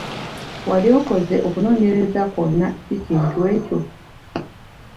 Wali okoze okunoonyereza kwonna ki kintu ekyo?